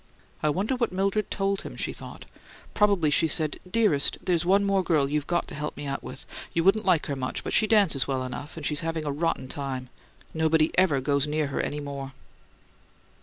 "I wonder what Mildred told him," she thought. "Probably she said, 'Dearest, there's one more girl you've got to help me out with. You wouldn't like her much, but she dances well enough and she's having a rotten time. Nobody ever goes near her any more.'"